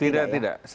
tidak tidak tidak